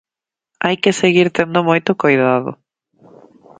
Hai que seguir tendo moito coidado.